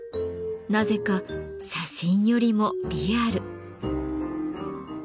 なぜか写真よりもリアル。